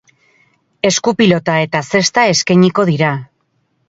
Esku pilota eta zesta eskainiko dira.